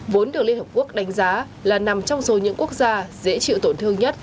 vốn được liên hợp quốc đánh giá là nằm trong số những quốc gia dễ chịu tổn thương nhất